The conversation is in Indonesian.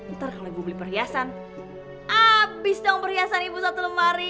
ntar kalau ibu beli perhiasan habis dong perhiasan ibu satu lemari